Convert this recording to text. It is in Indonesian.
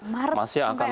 maret sampai maret april ya